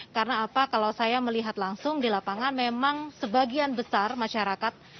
karena apa kalau saya melihat langsung di lapangan memang sebagian besar masyarakat